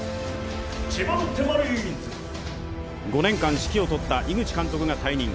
５年間、指揮をとった井口監督が退任。